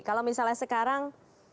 kalau misalnya sekarang